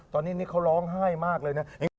ตอนนี้นี่เขาร้องไห้มากเลยนะ